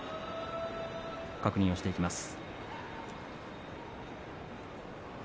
確認をしていきます。